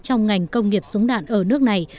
trong ngành công nghiệp súng đạn ở nước này